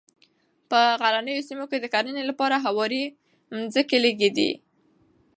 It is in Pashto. په غرنیو سیمو کې د کرنې لپاره هوارې مځکې لږې دي.